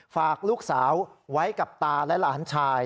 ฝากลูกสาวไว้กับตาและหลานชาย